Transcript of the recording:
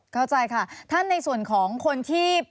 เข้าใจค่ะท่านในส่วนของคนที่